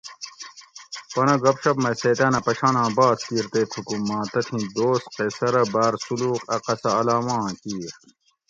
پنہ گپ شپ مئ سیتاۤنہ پشاناں بحث کِیر تے تھوکو ماں تتھیں دوست قیصرہ باۤر سولوق اۤ قصہ علاماں کِیر